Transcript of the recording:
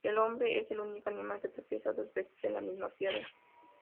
El hombre es el único animal que tropieza dos veces en la misma piedra